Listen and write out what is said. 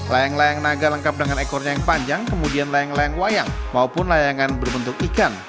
layang layang naga lengkap dengan ekornya yang panjang kemudian layang layang wayang maupun layangan berbentuk ikan